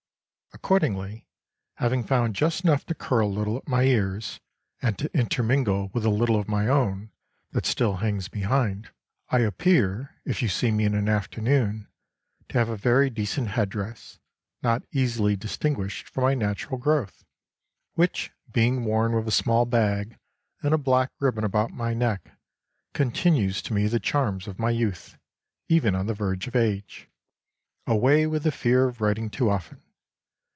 Accordingly, having found just enough to curl a little at my ears, and to intermingle with a little of my own that still hangs behind, I appear, if you see me in an afternoon, to have a very decent head dress, not easily distinguished from my natural growth; which being worn with a small bag, and a black ribbon about my neck, continues to me the charms of my youth, even on the verge of age. Away with the fear of writing too often.